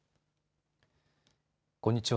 こんにちは。